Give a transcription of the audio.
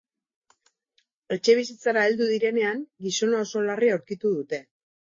Etxebizitzara heldu direnean gizona oso larri aurkitu dute.